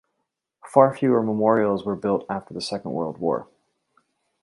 Far fewer memorials were built after the Second World War.